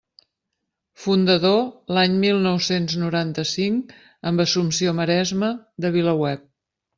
Fundador l'any mil nou-cents noranta-cinc, amb Assumpció Maresma, de VilaWeb.